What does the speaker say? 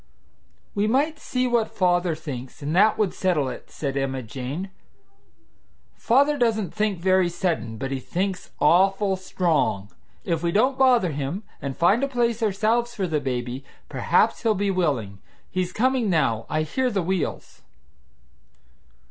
"We might see what father thinks, and that would settle it," said Emma Jane. "Father doesn't think very sudden, but he thinks awful strong. If we don't bother him, and find a place ourselves for the baby, perhaps he'll be willing. He's coming now; I hear the wheels."